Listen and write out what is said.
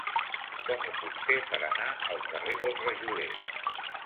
Com ho puc fer per anar al carrer del Rajoler?